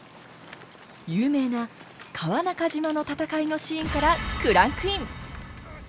有名な川中島の戦いのシーンからクランクイン！